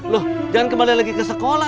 loh jangan kembali lagi ke sekolah